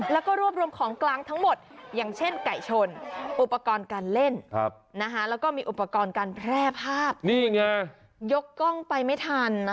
เห็นไหมวิ่งกรูออกมาอย่างนี้ค่ะ